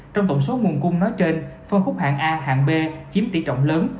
trong tổng số nguồn cung nói trên phân khúc hạng a hạng b chiếm tỷ trọng lớn